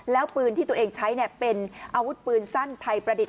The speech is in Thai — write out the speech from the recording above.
แล้วปืนที่ตัวเองใช้เป็นอาวุธปืนสั้นไทยประดิษฐ